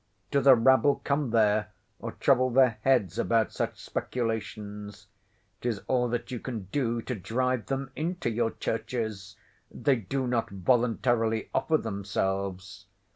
Do the rabble come there, or trouble their heads about such speculations? It is all that you can do to drive them into your churches; they do not voluntarily offer themselves.